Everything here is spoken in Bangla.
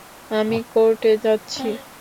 আমি কোর্টে যাচ্ছি।